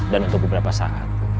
dan untuk beberapa saat